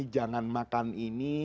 jangan makan ini